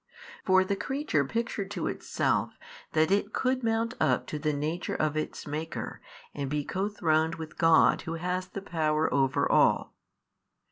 For the creature pictured to itself that it could mount up to the Nature of its Maker and be co throned with God Who has the power over all.